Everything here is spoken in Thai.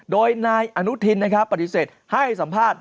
โดยนายอนุทินปฏิเสธให้สัมภาษณ์